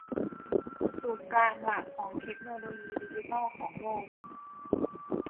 ศูนย์กลางหลักของเทคโนโลยีดิจิทัลของโลก